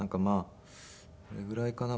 どれぐらいかな？